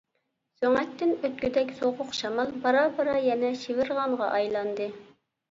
سۆڭەكتىن ئۆتكۈدەك سوغۇق شامال بارا-بارا يەنە شىۋىرغانغا ئايلاندى.